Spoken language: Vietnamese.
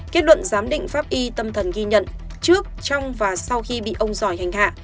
kết luận giám định pháp y tâm thần ghi nhận trước trong và sau khi bị ông giỏi hành hạ